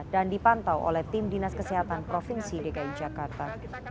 dan dipantau oleh tim dinas kesehatan provinsi dki jakarta